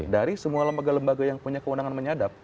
dari semua lembaga lembaga yang punya kewenangan menyadap